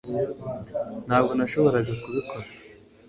ntabwo nashoboraga kubikora